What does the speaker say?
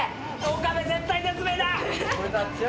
岡部絶体絶命だ。